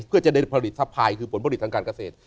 เพื่อจะได้ผลิตสะพายคือผลผลิตทางการเกษตร